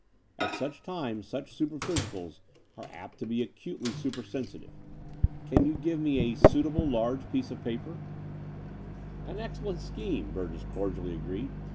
At such times such super physicals are apt to be acutely supersensitive. Can you give me a suitable large piece of paper?" 250 The Door of the Unreal "An excellent scheme," Burgess cordially agreed.